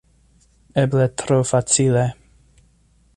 Eble tro facile.